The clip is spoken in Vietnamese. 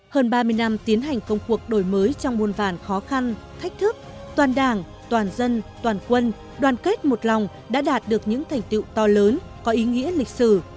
hơn ba mươi năm tiến hành công cuộc đổi mới trong muôn vàn khó khăn thách thức toàn đảng toàn dân toàn quân đoàn kết một lòng đã đạt được những thành tiệu to lớn có ý nghĩa lịch sử